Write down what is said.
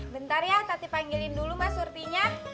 bentar ya tati panggilin dulu mbak surthi nya